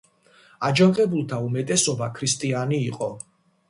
აჯანყებულთა უმეტესობა ქრისტიანი იყო.